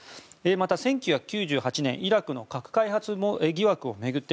また１９９８年イラクの核開発疑惑を巡り